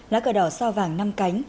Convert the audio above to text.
lá cờ đỏ sao vàng năm cánh